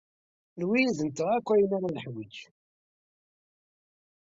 Niwi yid-nteɣ ayen akk ara niḥwiǧ.